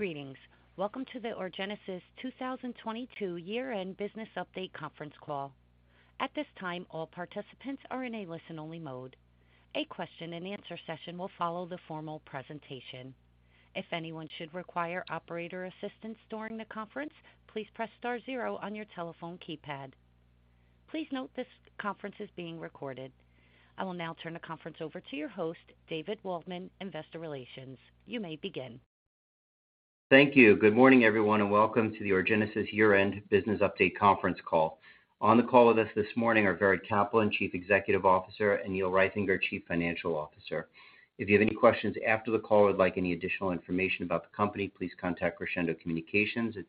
Greetings. Welcome to the Orgenesis 2022 year-end business update conference call. At this time, all participants are in a listen-only mode. A question and answer session will follow the formal presentation. If anyone should require operator assistance during the conference, please press star zero on your telephone keypad. Please note this conference is being recorded. I will now turn the conference over to your host, David Waldman, Investor Relations. You may begin. Thank you. Good morning, everyone, and welcome to the Orgenesis year-end business update conference call. On the call with us this morning are Vered Caplan, Chief Executive Officer, and Neil Reithinger, Chief Financial Officer. If you have any questions after the call or would like any additional information about the company, please contact Crescendo Communications at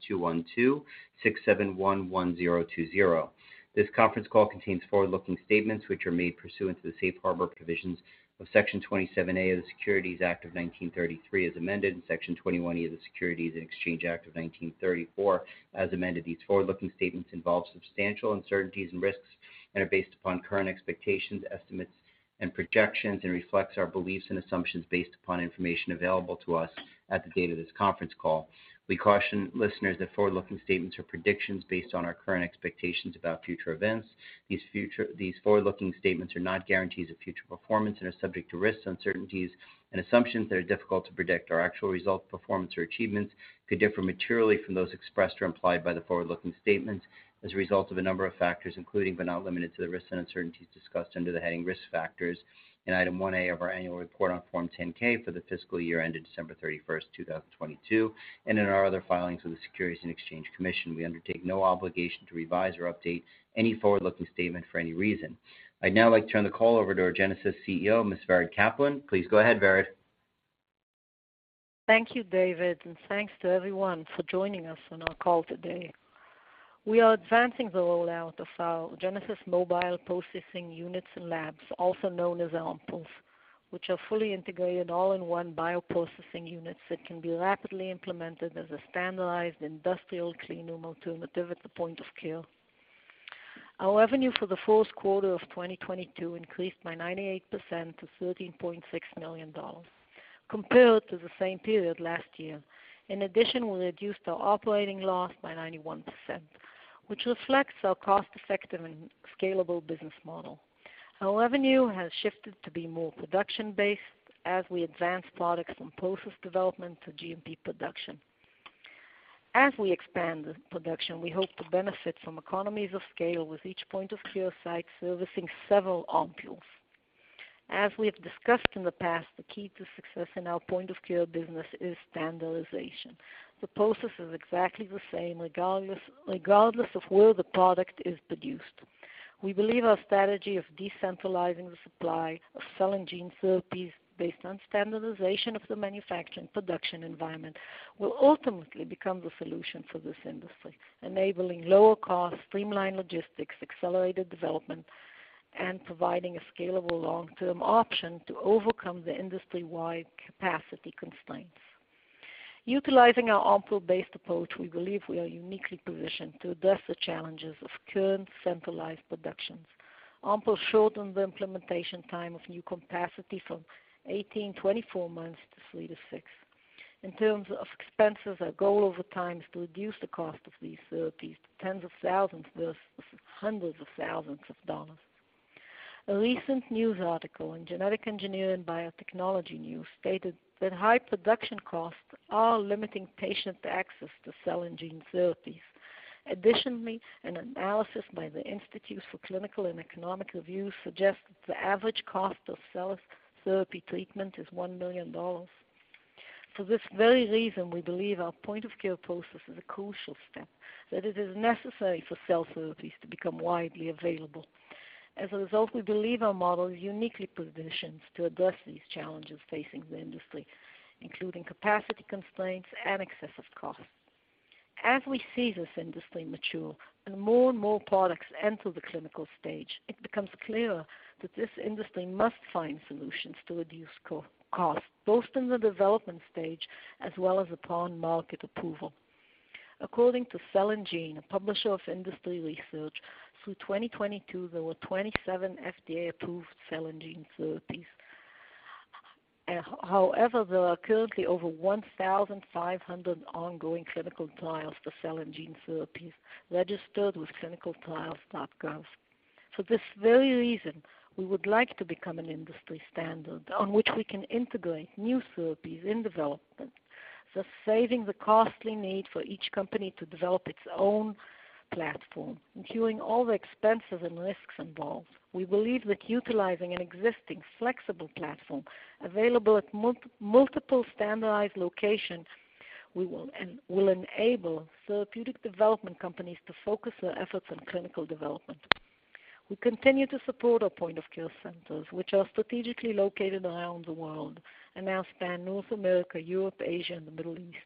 212-671-1020. This conference call contains forward-looking statements, which are made pursuant to the safe harbor provisions of Section 27A of the Securities Act of 1933 as amended and Section 21E of the Securities Exchange Act of 1934 as amended. These forward-looking statements involve substantial uncertainties and risks and are based upon current expectations, estimates, and projections and reflects our beliefs and assumptions based upon information available to us at the date of this conference call. We caution listeners that forward-looking statements are predictions based on our current expectations about future events. These forward-looking statements are not guarantees of future performance and are subject to risks, uncertainties, and assumptions that are difficult to predict. Our actual results, performance, or achievements could differ materially from those expressed or implied by the forward-looking statements as a result of a number of factors, including but not limited to the risks and uncertainties discussed under the heading Risk Factors in Item 1A of our annual report on Form 10-K for the fiscal year ended December 31st, 2022, and in our other filings with the Securities and Exchange Commission. We undertake no obligation to revise or update any forward-looking statement for any reason. I'd now like to turn the call over to Orgenesis CEO, Ms. Vered Caplan. Please go ahead, Vered. Thank you, David. Thanks to everyone for joining us on our call today. We are advancing the rollout of our Orgenesis Mobile Processing Units and Labs, also known as OMPULs, which are fully integrated all-in-one bioprocessing units that can be rapidly implemented as a standardized industrial clean room alternative at the point of care. Our revenue for the fourth quarter of 2022 increased by 98% to $13.6 million compared to the same period last year. We reduced our operating loss by 91%, which reflects our cost-effective and scalable business model. Our revenue has shifted to be more production-based as we advance products from process development to GMP production. We expand the production, we hope to benefit from economies of scale with each point of care site servicing several OMPULs. As we have discussed in the past, the key to success in our POCare business is standardization. The process is exactly the same regardless of where the product is produced. We believe our strategy of decentralizing the supply of cell and gene therapies based on standardization of the manufacturing production environment will ultimately become the solution for this industry, enabling lower cost, streamlined logistics, accelerated development, and providing a scalable long-term option to overcome the industry-wide capacity constraints. Utilizing our OMPUL-based approach, we believe we are uniquely positioned to address the challenges of current centralized productions. OMPULs shorten the implementation time of new capacity from 18-24 months to 3-6 months. In terms of expenses, our goal over time is to reduce the cost of these therapies to $10,000s versus $100,000s. A recent news article in Genetic Engineering & Biotechnology News stated that high production costs are limiting patient access to cell and gene therapies. Additionally, an analysis by the Institute for Clinical and Economic Review suggests that the average cost of cell therapy treatment is $1 million. For this very reason, we believe our point-of-care process is a crucial step, that it is necessary for cell therapies to become widely available. As a result, we believe our model is uniquely positioned to address these challenges facing the industry, including capacity constraints and excessive costs. As we see this industry mature and more and more products enter the clinical stage, it becomes clearer that this industry must find solutions to reduce co-cost, both in the development stage as well as upon market approval. According to Cell & Gene, a publisher of industry research, through 2022, there were 27 FDA-approved cell and gene therapies. However, there are currently over 1,500 ongoing clinical trials for cell and gene therapies registered with ClinicalTrials.gov. For this very reason, we would like to become an industry standard on which we can integrate new therapies in development, thus saving the costly need for each company to develop its own platform, ensuring all the expenses and risks involved. We believe that utilizing an existing flexible platform available at multiple standardized locations, we will enable therapeutic development companies to focus their efforts on clinical development. We continue to support our POCare centers, which are strategically located around the world and now span North America, Europe, Asia, and the Middle East,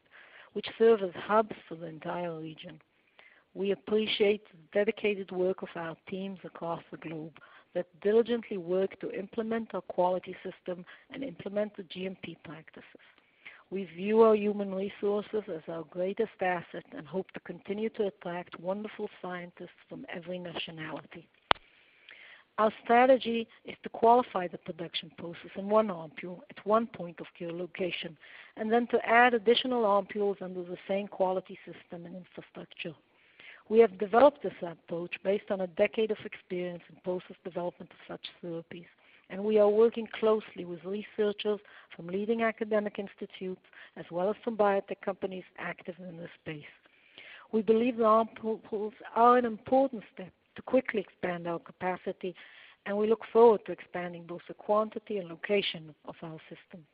which serve as hubs for the entire region. We appreciate the dedicated work of our teams across the globe that diligently work to implement our quality system and implement the GMP practices. We view our human resources as our greatest asset and hope to continue to attract wonderful scientists from every nationality. Our strategy is to qualify the production process in one ampoule at one point of care location, and then to add additional ampoules under the same quality system and infrastructure. We have developed this approach based on a decade of experience in process development of such therapies, and we are working closely with researchers from leading academic institutes, as well as from biotech companies active in this space. We believe the ampoules are an important step to quickly expand our capacity, and we look forward to expanding both the quantity and location of our system.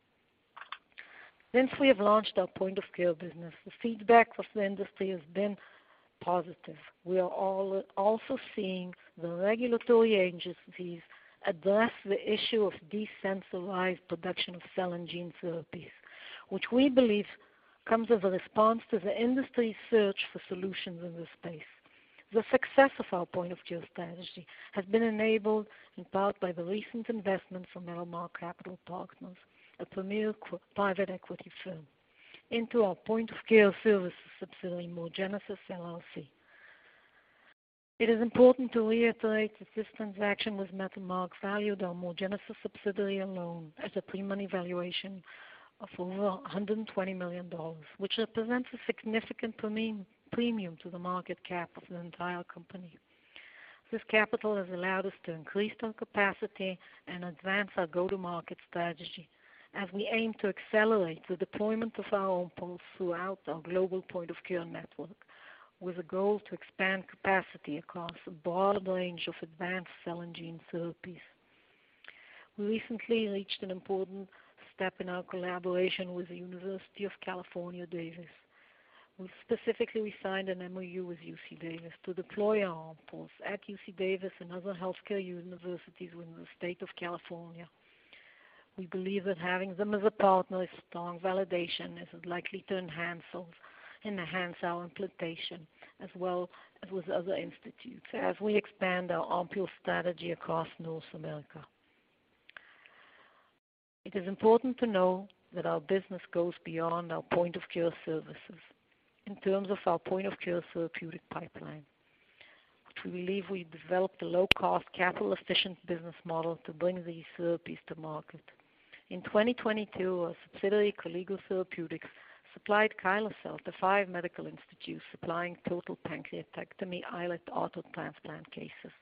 Since we have launched our point of care business, the feedback from the industry has been positive. We are also seeing the regulatory agencies address the issue of decentralized production of cell and gene therapies, which we believe comes as a response to the industry's search for solutions in this space. The success of our point of care strategy has been enabled in part by the recent investment from Metalmark Capital Partners, a premier private equity firm, into our point of care services subsidiary, Morgenesis, LLC. It is important to reiterate that this transaction with Metalmark valued our Morgenesis subsidiary alone as a pre-money valuation of over $120 million, which represents a significant premium to the market cap of the entire company. This capital has allowed us to increase our capacity and advance our go-to-market strategy as we aim to accelerate the deployment of our OMPULs throughout our global POCare Network with a goal to expand capacity across a broad range of advanced cell and gene therapies. More specifically, we signed an MOU with UC Davis to deploy our OMPULs at UC Davis and other healthcare universities within the state of California. We believe that having them as a partner is a strong validation, as it likely to enhance our implementation as well as with other institutes as we expand our OMPUL strategy across North America. It is important to know that our business goes beyond our Point of Care services in terms of our Point of Care therapeutic pipeline, which we believe we developed a low-cost, capital-efficient business model to bring these therapies to market. In 2022, our subsidiary, Koligo Therapeutics, supplied Kyslecel to five medical institutes supplying total pancreatectomy islet autotransplant cases.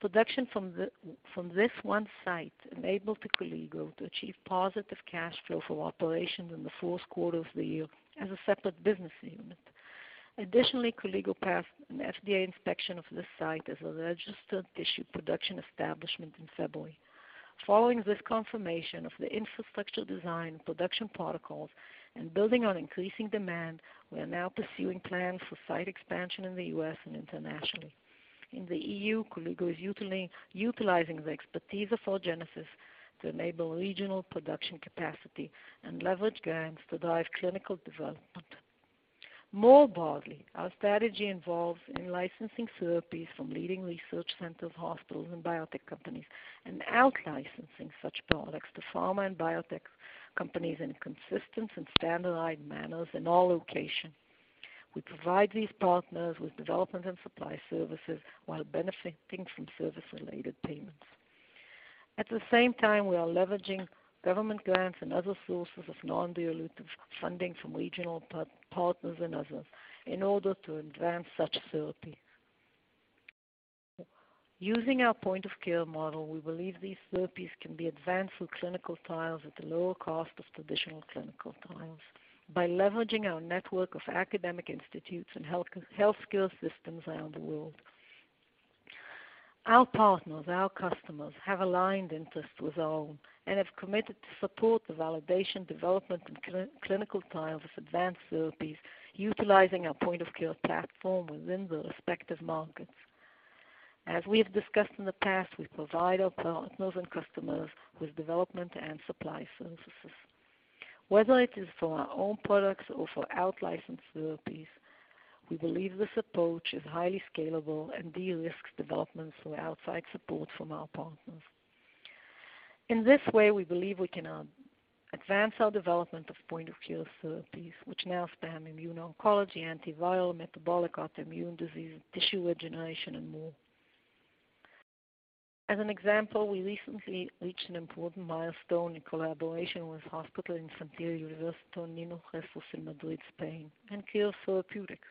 Production from this one site enabled Koligo to achieve positive cash flow from operations in the fourth quarter of the year as a separate business unit. Additionally, Koligo passed an FDA inspection of this site as a registered tissue production establishment in February. Following this confirmation of the infrastructure design, production protocols, and building on increasing demand, we are now pursuing plans for site expansion in the U.S. and internationally. In the EU, Koligo is utilizing the expertise of Orgenesis to enable regional production capacity and leverage grants to drive clinical development. More broadly, our strategy involves in licensing therapies from leading research centers, hospitals, and biotech companies and out licensing such products to pharma and biotech companies in consistent and standardized manners in all locations. We provide these partners with development and supply services while benefiting from service-related payments. At the same time, we are leveraging government grants and other sources of non-dilutive funding from regional partners and others in order to advance such therapies. Using our POCare model, we believe these therapies can be advanced through clinical trials at a lower cost of traditional clinical trials by leveraging our network of academic institutes and healthcare systems around the world. Our partners, our customers, have aligned interests with our own and have committed to support the validation, development, and clinical trials of advanced therapies utilizing our POCare platform within their respective markets. As we have discussed in the past, we provide our partners and customers with development and supply services. Whether it is for our own products or for out licensed therapies, we believe this approach is highly scalable and de-risks development through outside support from our partners. In this way, we believe we can advance our development of POCare therapies, which now span immuno-oncology, antiviral, metabolic, autoimmune disease, tissue regeneration, and more. As an example, we recently reached an important milestone in collaboration with Hospital Infantil Universitario Niño Jesús in Madrid, Spain, and Cures Therapeutics.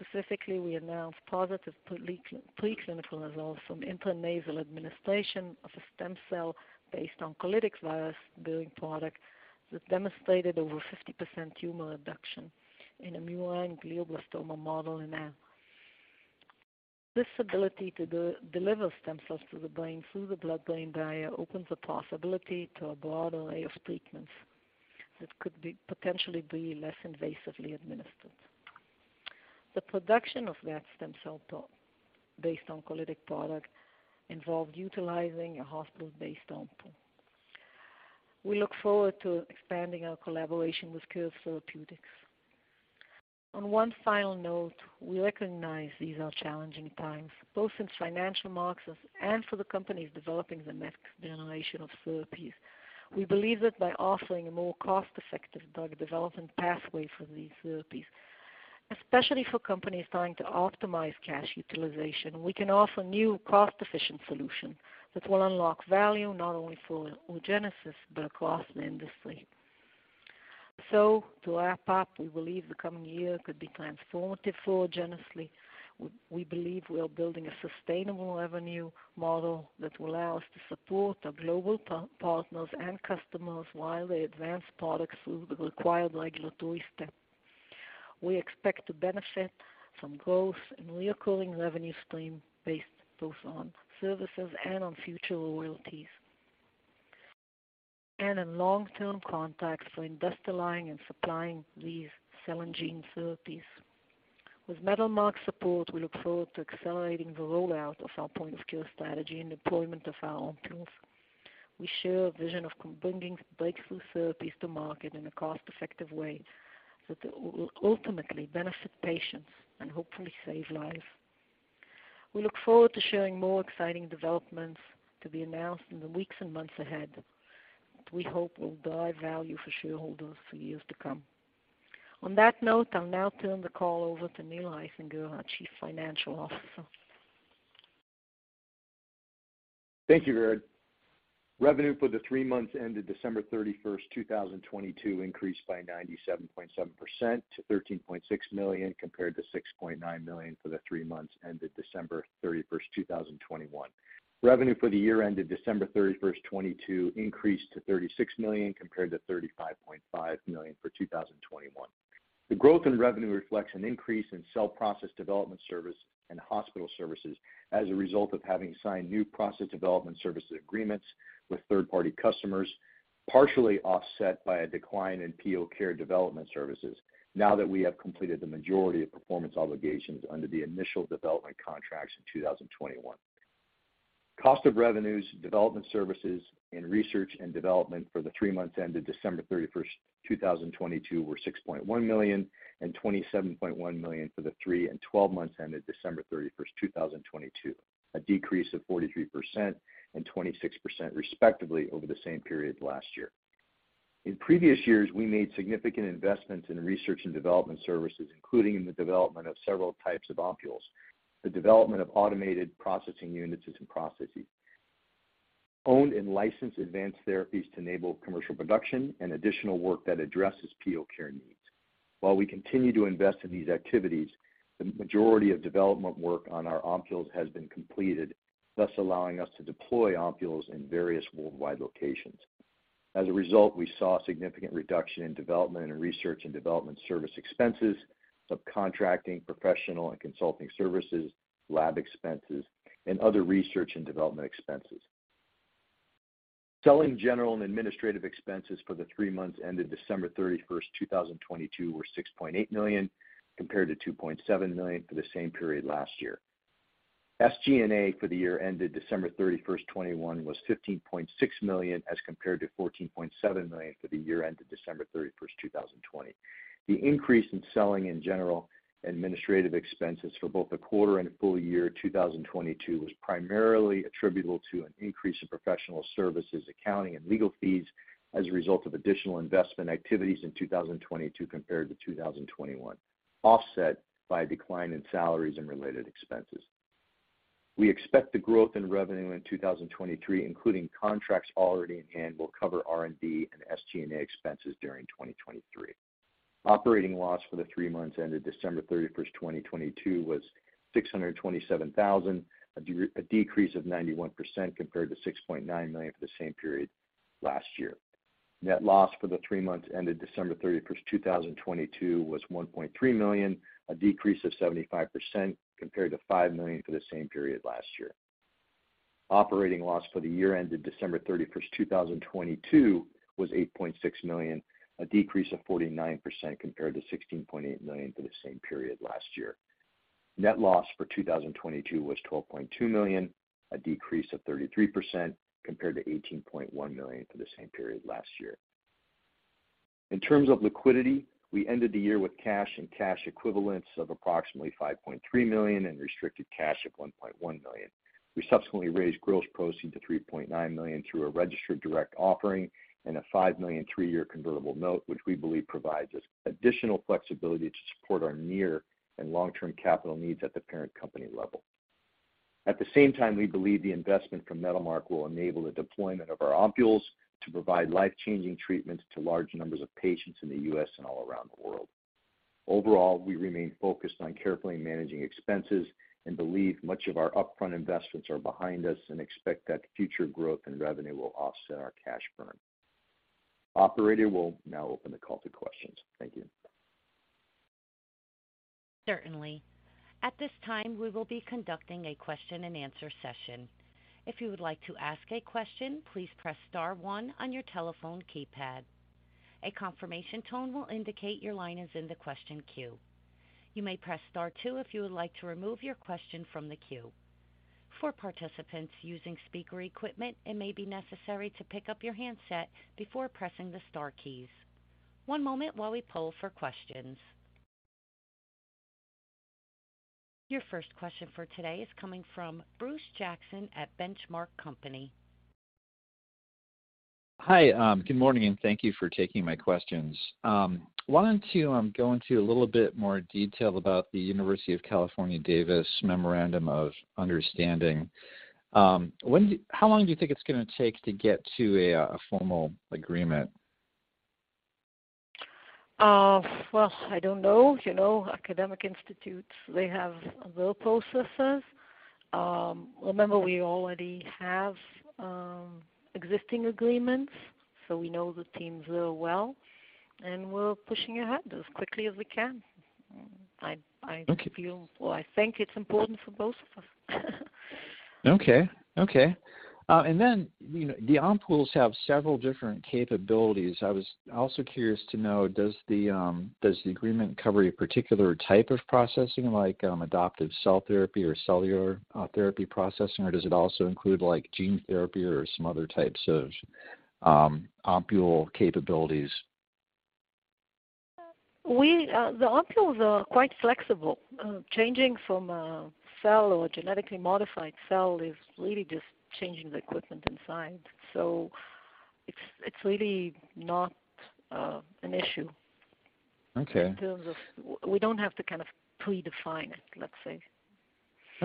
Specifically, we announced positive pre-clinical results from intranasal administration of a stem cell-based oncolytic virus-bearing product that demonstrated over 50% tumor reduction in a murine glioblastoma model in mice. This ability to de-deliver stem cells to the brain through the blood-brain barrier opens the possibility to a broad array of treatments that potentially be less invasively administered. The production of that stem cell based oncolytic product involved utilizing a hospital-based OMPUL. We look forward to expanding our collaboration with Cures Therapeutics. One final note, we recognize these are challenging times, both in financial markets and for the companies developing the next generation of therapies. We believe that by offering a more cost-effective drug development pathway for these therapies especially for companies trying to optimize cash utilization, we can offer new cost-efficient solution that will unlock value not only for Orgenesis but across the industry. To wrap up, we believe the coming year could be transformative for Orgenesis. We believe we are building a sustainable revenue model that will allow us to support our global partners and customers while they advance products through the required regulatory steps. We expect to benefit from growth and recurring revenue stream based both on services and on future royalties, and in long-term contracts for industrializing and supplying these cell and gene therapies. With Metalmark's support, we look forward to accelerating the rollout of our point of care strategy and deployment of our OMPULs. We share a vision of bringing breakthrough therapies to market in a cost-effective way that will ultimately benefit patients and hopefully save lives. We look forward to sharing more exciting developments to be announced in the weeks and months ahead that we hope will drive value for shareholders for years to come. On that note, I'll now turn the call over to Neil Reithinger, our Chief Financial Officer. Thank you, Vered. Revenue for the three months ended December 31st, 2022 increased by 97.7% to $13.6 million, compared to $6.9 million for the three months ended December 31st, 2021. Revenue for the year ended December 31st, 2022 increased to $36 million, compared to $35.5 million for 2021. The growth in revenue reflects an increase in cell process development service and hospital services as a result of having signed new process development services agreements with third party customers, partially offset by a decline in POCare development services now that we have completed the majority of performance obligations under the initial development contracts in 2021. Cost of revenues, development services, and research and development for the three months ended December 31st, 2022 were $6.1 million and $27.1 million for the three and 12 months ended December 31st, 2022, a decrease of 43% and 26% respectively over the same period last year. In previous years, we made significant investments in research and development services, including in the development of several types of OMPULs, the development of automated processing units and processes, owned and licensed advanced therapies to enable commercial production and additional work that addresses POCare needs. While we continue to invest in these activities, the majority of development work on our OMPULs has been completed, thus allowing us to deploy OMPULs in various worldwide locations. As a result, we saw a significant reduction in development and research and development service expenses, subcontracting professional and consulting services, lab expenses, and other research and development expenses. Selling, general and administrative expenses for the three months ended December 31st, 2022, were $6.8 million, compared to $2.7 million for the same period last year. SG&A for the year ended December 31st, 2021, was $15.6 million, as compared to $14.7 million for the year ended December 31st, 2020. The increase in selling, general and administrative expenses for both the quarter and full year 2022 was primarily attributable to an increase in professional services, accounting and legal fees as a result of additional investment activities in 2022 compared to 2021, offset by a decline in salaries and related expenses. We expect the growth in revenue in 2023, including contracts already in hand, will cover R&D and SG&A expenses during 2023. Operating loss for the three months ended December 31st, 2022 was $627,000, a decrease of 91% compared to $6.9 million for the same period last year. Net loss for the three months ended December 31st, 2022 was $1.3 million, a decrease of 75% compared to $5 million for the same period last year. Operating loss for the year ended December 31st, 2022 was $8.6 million, a decrease of 49% compared to $16.8 million for the same period last year. Net loss for 2022 was $12.2 million, a decrease of 33% compared to $18.1 million for the same period last year. In terms of liquidity, we ended the year with cash and cash equivalents of approximately $5.3 million and restricted cash of $1.1 million. We subsequently raised gross proceeds of $3.9 million through a registered direct offering and a $5 million 3-year convertible note, which we believe provides us additional flexibility to support our near and long-term capital needs at the parent company level. At the same time, we believe the investment from Metalmark will enable the deployment of our OMPULs to provide life-changing treatments to large numbers of patients in the U.S. and all around the world. Overall, we remain focused on carefully managing expenses and believe much of our upfront investments are behind us and expect that future growth and revenue will offset our cash burn. Operator, we'll now open the call to questions. Thank you. Certainly. At this time, we will be conducting a question and answer session. If you would like to ask a question, please press star one on your telephone keypad. A confirmation tone will indicate your line is in the question queue. You may press star two if you would like to remove your question from the queue. For participants using speaker equipment, it may be necessary to pick up your handset before pressing the star keys. One moment while we poll for questions. Your first question for today is coming from Bruce Jackson at Benchmark Company. Hi. Good morning, and thank you for taking my questions. Why don't you go into a little bit more detail about the University of California, Davis Memorandum of Understanding? How long do you think it's gonna take to get to a formal agreement? Well, I don't know. You know, academic institutes, they have their processes. Remember we already have, existing agreements, so we know the teams real well, and we're pushing ahead as quickly as we can. Okay. -feel or I think it's important for both of us. Okay. Okay. You know, the OMPULs have several different capabilities. I was also curious to know, does the agreement cover a particular type of processing like adoptive cell therapy or cellular therapy processing, or does it also include like gene therapy or some other types of OMPUL capabilities? We, the OMPULs are quite flexible. Changing from a cell or genetically modified cell is really just changing the equipment inside. It's really not an issue. Okay. -in terms of... We don't have to kind of predefine it, let's say.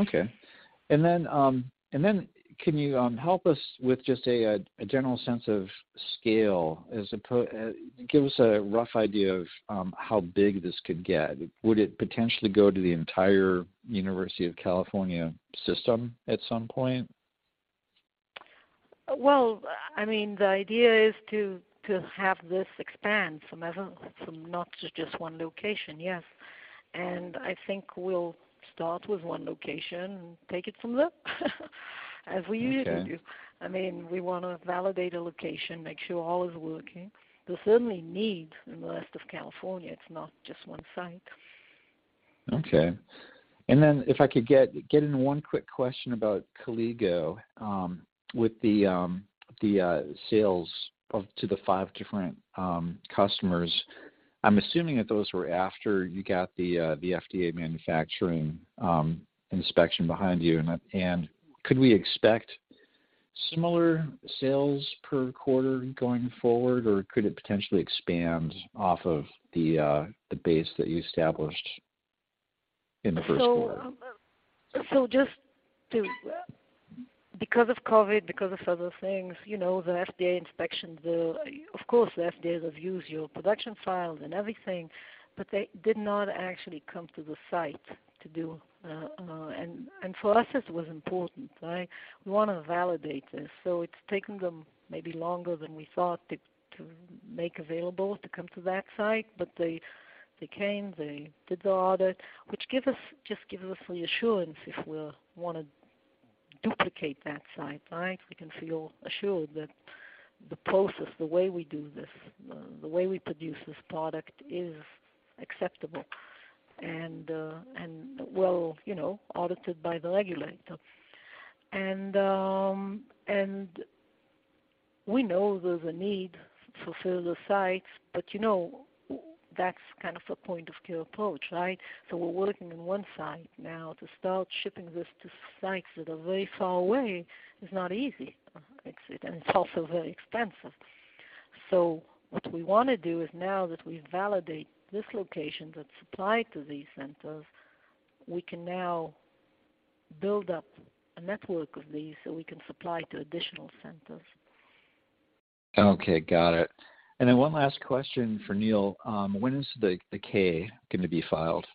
Okay. Can you help us with just a general sense of scale? Give us a rough idea of how big this could get? Would it potentially go to the entire University of California system at some point? Well, I mean, the idea is to have this expand not to just one location, yes. Okay. I think we'll start with one location and take it from there, as we usually do. Okay. I mean, we wanna validate a location, make sure all is working. There's certainly need in the rest of California. It's not just one site. Okay. If I could get in one quick question about Koligo, with the sales of to the five different customers. I'm assuming that those were after you got the FDA manufacturing inspection behind you. Could we expect similar sales per quarter going forward, or could it potentially expand off of the base that you established in the first quarter? Just to... Because of COVID, because of other things, you know, the FDA inspection, of course, the FDA reviews your production files and everything, but they did not actually come to the site to do... For us, this was important, right? We wanna validate this. It's taken them maybe longer than we thought to make available to come to that site. They came, they did the audit, which just give us the assurance if we wanna duplicate that site, right? We can feel assured that the process, the way we do this, the way we produce this product is acceptable and well, you know, audited by the regulator. We know there's a need for further sites, but, you know, that's kind of the point of care approach, right? We're working on one site now. To start shipping this to sites that are very far away is not easy, and it's also very expensive. What we wanna do is now that we validate this location that supply to these centers, we can now build up a network of these so we can supply to additional centers. Okay, got it. One last question for Neil. When is the K gonna be filed?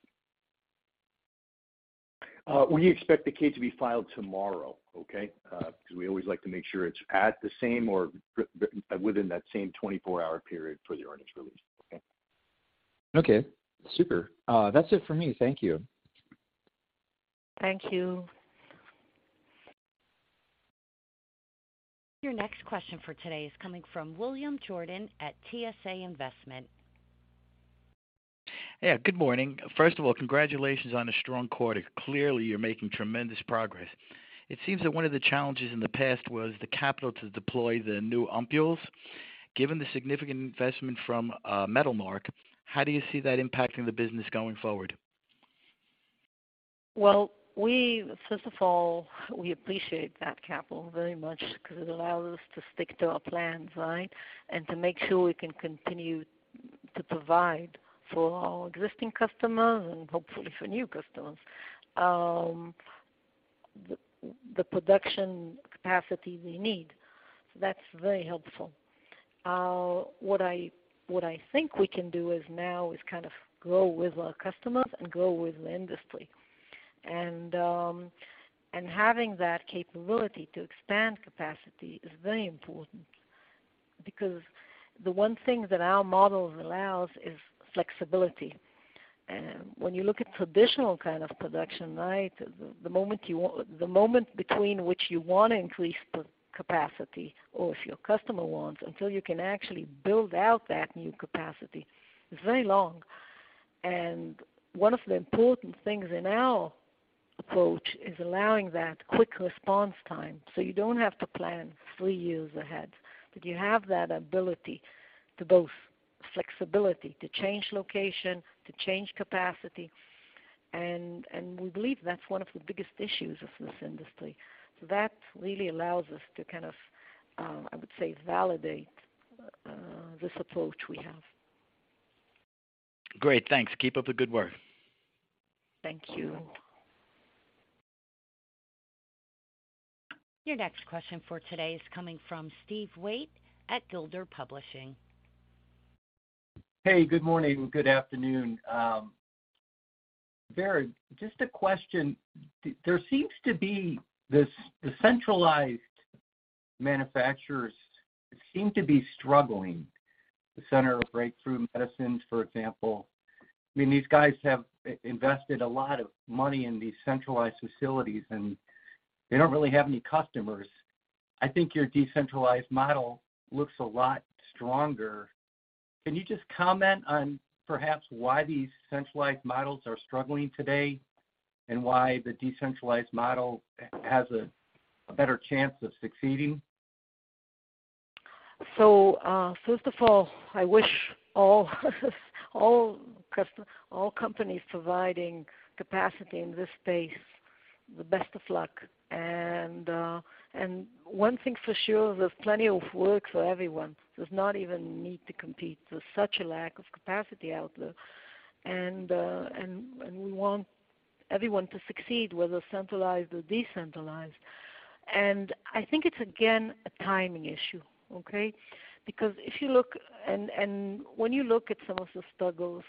We expect the K to be filed tomorrow, okay? 'cause we always like to make sure it's at the same or within that same 24-hour period for the earnings release. Okay? Okay, super. That's it for me. Thank you. Thank you. Your next question for today is coming from William Jordan at TSA Investment. Yeah, good morning. First of all, congratulations on a strong quarter. Clearly, you're making tremendous progress. It seems that one of the challenges in the past was the capital to deploy the new OMPULs. Given the significant investment from Metalmark, how do you see that impacting the business going forward? Well, first of all, we appreciate that capital very much 'cause it allows us to stick to our plans, right? To make sure we can continue to provide for our existing customers and hopefully for new customers, the production capacity we need. So that's very helpful. What I think we can do is now is kind of grow with our customers and grow with the industry. Having that capability to expand capacity is very important because the one thing that our models allows is flexibility. When you look at traditional kind of production, right, the moment between which you wanna increase the capacity or if your customer wants until you can actually build out that new capacity is very long. One of the important things in our approach is allowing that quick response time, so you don't have to plan three years ahead, but you have that ability to both flexibility to change location, to change capacity. We believe that's one of the biggest issues of this industry. That really allows us to kind of, I would say, validate this approach we have. Great, thanks. Keep up the good work. Thank you. Your next question for today is coming from Steve Waite at Gilder Publishing. Hey, good morning and good afternoon. Vered, just a question. The centralized manufacturers seem to be struggling. The Center for Breakthrough Medicines, for example. I mean, these guys have invested a lot of money in these centralized facilities, and they don't really have any customers. I think your decentralized model looks a lot stronger. Can you just comment on perhaps why these centralized models are struggling today and why the decentralized model has a better chance of succeeding? First of all, I wish all companies providing capacity in this space, the best of luck. One thing's for sure, there's plenty of work for everyone. There's not even need to compete. There's such a lack of capacity out there. We want everyone to succeed, whether centralized or decentralized. I think it's again a timing issue, okay? If you look... when you look at some of the struggles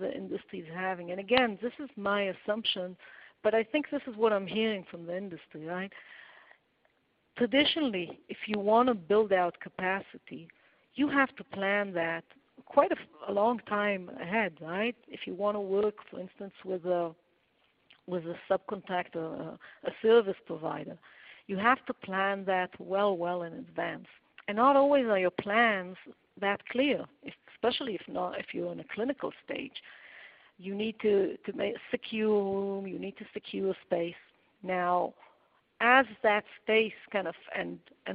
the industry is having. Again, this is my assumption, but I think this is what I'm hearing from the industry, right? Traditionally, if you wanna build out capacity, you have to plan that quite a long time ahead, right? If you wanna work, for instance, with a subcontractor or a service provider, you have to plan that well in advance. Not always are your plans that clear, especially if you're in a clinical stage. You need to secure room, you need to secure space. Now, as that space.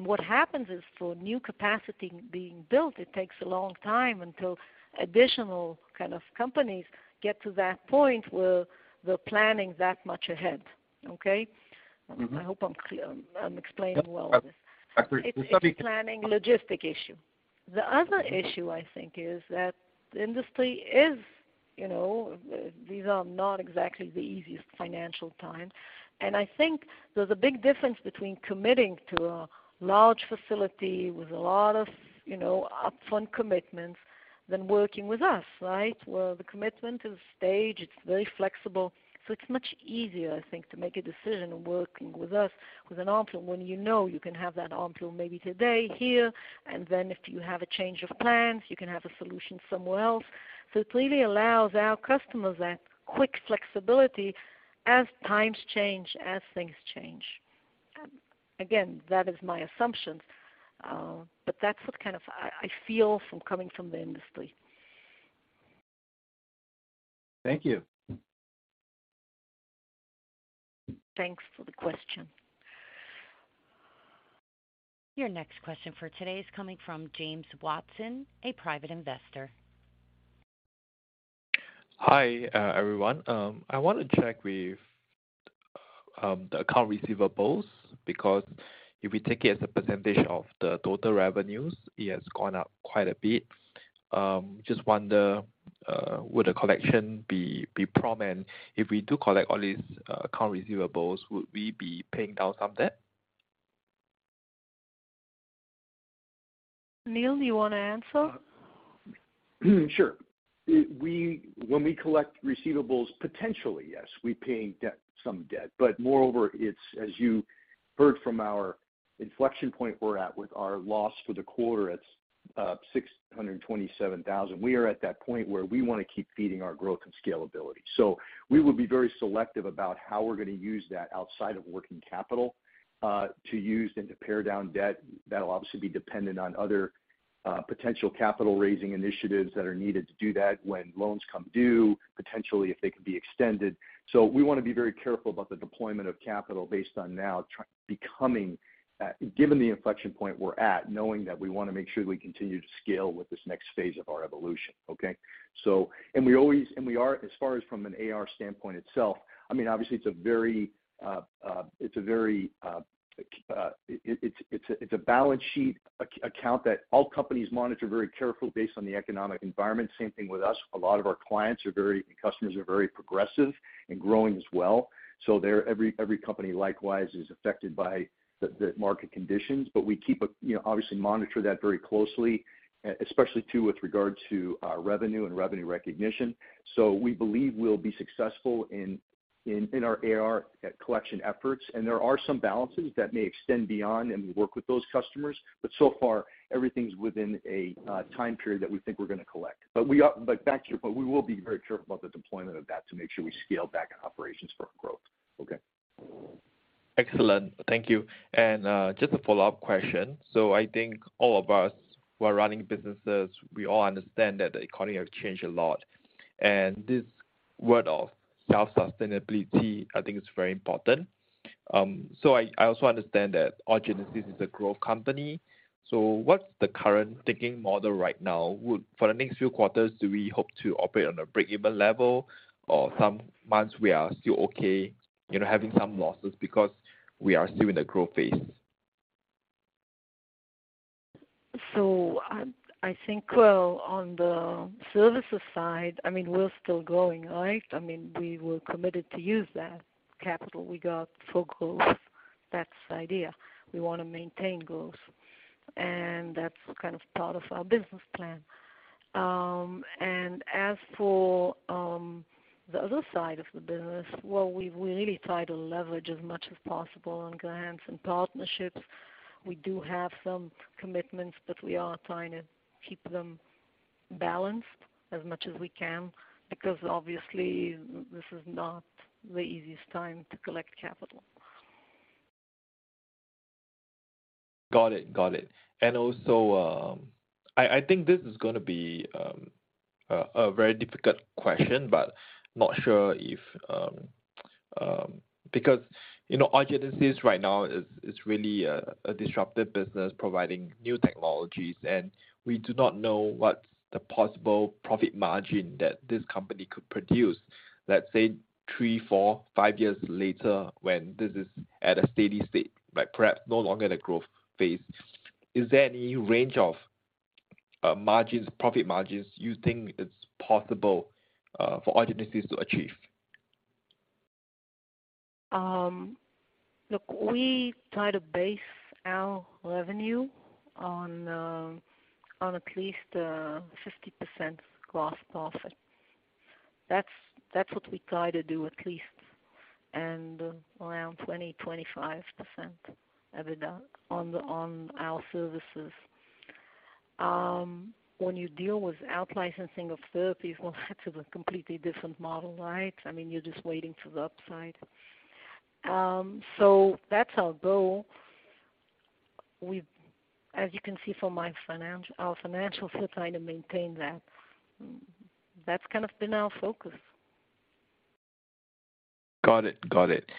What happens is for new capacity being built, it takes a long time until additional kind of companies get to that point where they're planning that much ahead, okay? Mm-hmm. I hope I'm explaining well. Yeah. It's a planning logistic issue. The other issue I think is that the industry is, you know, these are not exactly the easiest financial times. I think there's a big difference between committing to a large facility with a lot of, you know, upfront commitments than working with us, right? Where the commitment is staged, it's very flexible, so it's much easier, I think, to make a decision working with us with an OMPUL when you know you can have that OMPUL maybe today here, and then if you have a change of plans, you can have a solution somewhere else. It really allows our customers that quick flexibility as times change, as things change. Again, that is my assumption, but that's what kind of I feel from coming from the industry. Thank you. Thanks for the question. Your next question for today is coming from James Watson, a Private Investor. Hi, everyone. I want to check with the account receivables, because if we take it as a % of the total revenues, it has gone up quite a bit. Just wonder, would the collection be prominent? If we do collect all these account receivables, would we be paying down some debt? Neil, do you wanna answer? When we collect receivables, potentially, yes, we pay debt, some debt. Moreover, it's as you heard from our inflection point we're at with our loss for the quarter, it's $627,000. We are at that point where we wanna keep feeding our growth and scalability. We would be very selective about how we're gonna use that outside of working capital to use and to pare down debt. That'll obviously be dependent on other potential capital-raising initiatives that are needed to do that when loans come due, potentially, if they could be extended. We wanna be very careful about the deployment of capital based on now becoming given the inflection point we're at, knowing that we wanna make sure we continue to scale with this next phase of our evolution, okay. We are, as far as from an AR standpoint itself, I mean, obviously it's a very, it's a very, it's a balance sheet account that all companies monitor very carefully based on the economic environment. Same thing with us. A lot of our clients are customers are very progressive and growing as well. Their every company, likewise, is affected by the market conditions. We keep a, you know, obviously monitor that very closely, especially too with regard to revenue and revenue recognition. We believe we'll be successful in our AR collection efforts. There are some balances that may extend beyond, and we work with those customers. So far, everything's within a time period that we think we're gonna collect. Back to your point, we will be very careful about the deployment of that to make sure we scale back operations for our growth. Okay. Excellent. Thank you. Just a follow-up question. I think all of us who are running businesses, we all understand that the economy has changed a lot. This word of self-sustainability, I think is very important. I also understand that Orgenesis is a growth company. What's the current thinking model right now? For the next few quarters, do we hope to operate on a break-even level or some months we are still okay, you know, having some losses because we are still in a growth phase? I think, well, on the services side, I mean, we're still growing, right? I mean, we were committed to use that capital we got for growth. That's the idea. We wanna maintain growth, and that's kind of part of our business plan. And as for the other side of the business, well, we've really tried to leverage as much as possible on grants and partnerships. We do have some commitments, but we are trying to keep them balanced as much as we can because obviously this is not the easiest time to collect capital. Got it. Got it. Also, I think this is going to be a very difficult question, but not sure if... You know, Orgenesis right now is really a disruptive business providing new technologies, and we do not know what's the possible profit margin that this company could produce. Let's say 3, 4, 5 years later when this is at a steady state, but perhaps no longer in a growth phase. Is there any range of margins, profit margins you think it's possible for Orgenesis to achieve? Look, we try to base our revenue on at least 50% gross profit. That's what we try to do at least and around 20%-25% EBITDA on our services. When you deal with out-licensing of therapies, well, that's a completely different model, right? I mean, you're just waiting for the upside. That's our goal. As you can see from our financials, we're trying to maintain that. That's kind of been our focus. Got it. Got it.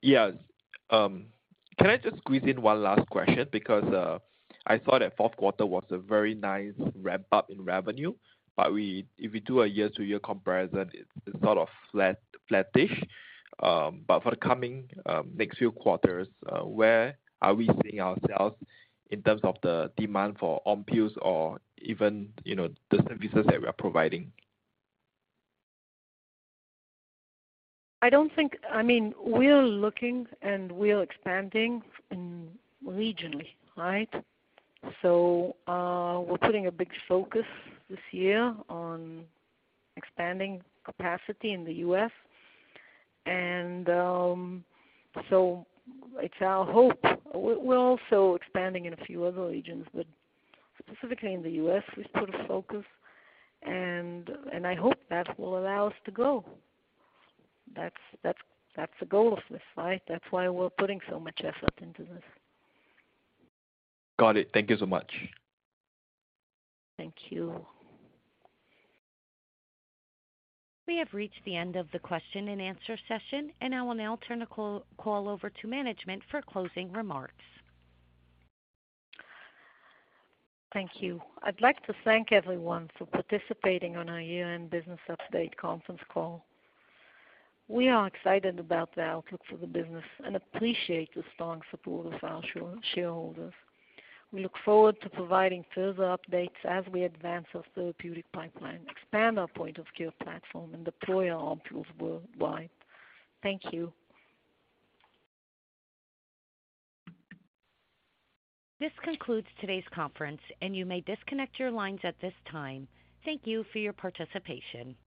Yeah. Can I just squeeze in one last question? I saw that fourth quarter was a very nice ramp-up in revenue, but if we do a year-to-year comparison, it's sort of flat, flattish. For the coming, next few quarters, where are we seeing ourselves in terms of the demand for OMPUL or even, you know, the services that we are providing? I mean, we're looking, and we're expanding in regionally, right? We're putting a big focus this year on expanding capacity in the U.S. and it's our hope. We're also expanding in a few other regions, but specifically in the U.S., we've put a focus and I hope that will allow us to grow. That's the goal of this, right? That's why we're putting so much effort into this. Got it. Thank you so much. Thank you. We have reached the end of the question-and-answer session. I will now turn the call over to management for closing remarks. Thank you. I'd like to thank everyone for participating on our year-end business update conference call. We are excited about the outlook for the business and appreciate the strong support of our shareholders. We look forward to providing further updates as we advance our therapeutic pipeline, expand our point of care platform, and deploy our OMPULs worldwide. Thank you. This concludes today's conference, and you may disconnect your lines at this time. Thank you for your participation.